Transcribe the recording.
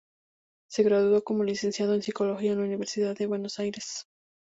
Se graduó como licenciado en psicología en la Universidad de Buenos Aires.